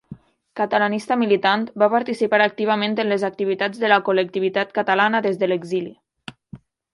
Catalanista militant, va participar activament en les activitats de la col·lectivitat catalana des de l'exili.